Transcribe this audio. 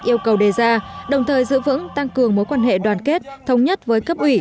yêu cầu đề ra đồng thời giữ vững tăng cường mối quan hệ đoàn kết thống nhất với cấp ủy